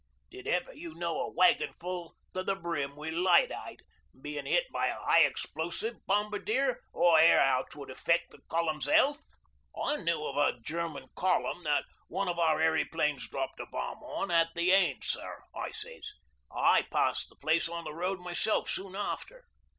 Did ever you know a wagon full to the brim wi' lyddite being hit by a high explosive, Bombardier, or hear how 'twould affect the Column's health?" '"I knew of a German column that one of our airyplanes dropped a bomb on, at the Aisne, sir," I sez. "I passed the place on the road myself soon after."